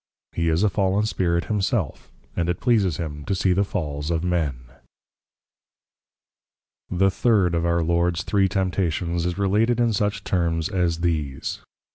He is a Fallen Spirit himself, and it pleases him to see the Falls of men. §. The Third of Our Lords Three Temptations, is related in such Terms as these.